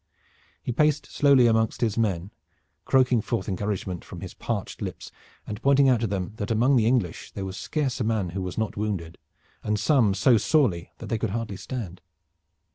He paced slowly amongst his men, croaking forth encouragement from his parched lips and pointing out to them that among the English there was scarce a man who was not wounded, and some so sorely that they could hardly stand.